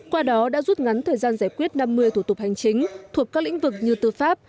qua đó đã rút ngắn thời gian giải quyết năm mươi thủ tục hành chính thuộc các lĩnh vực như tư pháp